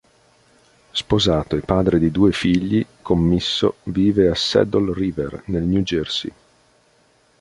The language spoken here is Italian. Sposato e padre di due figli, Commisso vive a Saddle River, nel New Jersey.